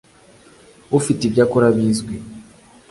ufite ibyo akora bizwi